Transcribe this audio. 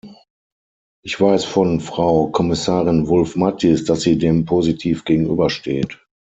Ich weiß von Frau Kommissarin Wulf-Matthies, dass sie dem positiv gegenübersteht.